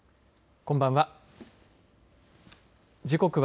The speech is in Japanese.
こんばんは。